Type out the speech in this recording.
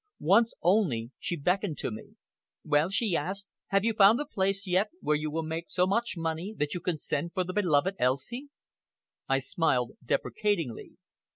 Once only she beckoned to me. "Well," she asked, "have you found the place yet, where you will make so much money that you can send for the beloved Elsie?" I smiled deprecatingly.